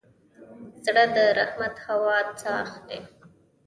زړه د رحمت هوا ساه اخلي.